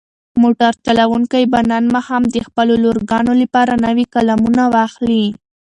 موټر چلونکی به نن ماښام د خپلو لورګانو لپاره نوې قلمونه واخلي.